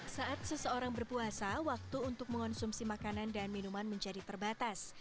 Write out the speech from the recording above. saat seseorang berpuasa waktu untuk mengonsumsi makanan dan minuman menjadi terbatas